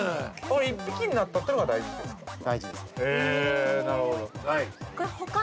◆１匹になったというのが大事ですか。